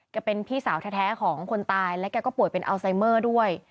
เป็นพี่สาวแท้ของคนตายและแกก็ป่วยเป็นอัลไซเมอร์ด้วย